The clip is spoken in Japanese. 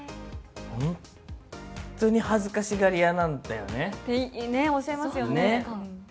本当に恥ずかしがり屋なんだね、おっしゃいますよね。